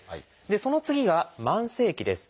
でその次が「慢性期」です。